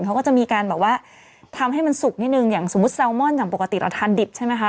เขาก็จะมีการแบบว่าทำให้มันสุกนิดนึงอย่างสมมุติแซลมอนอย่างปกติเราทานดิบใช่ไหมคะ